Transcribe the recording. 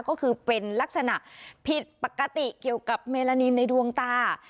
ก็คือเป็นลักษณะผิดปกติเกี่ยวกับเมลานินในดวงตา